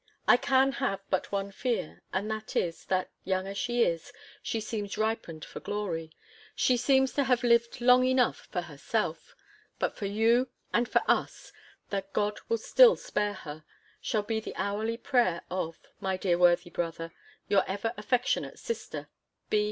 I can have but one fear, and that is, that, young as she is, she seems ripened for glory: she seems to have lived long enough for herself. But for you, and for us, that God will still spare her, shall be the hourly prayer of, my dear worthy brother, your ever affectionate sister, B.